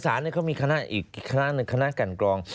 เขามีคณะอีกคณะหนึ่งคณะกันกรอง